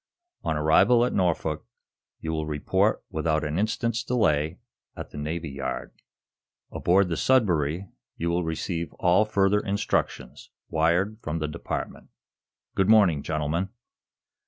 On arrival at Norfolk you will report without an instant's delay at the Navy Yard. Aboard the 'Sudbury' you will receive all further instructions, wired from this Department. Good morning, gentlemen."